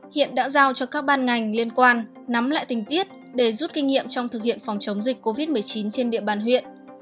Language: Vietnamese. hiện đã giao cho các ban ngành liên quan nắm lại tình tiết để rút kinh nghiệm trong thực hiện phòng chống dịch covid một mươi chín trên địa bàn huyện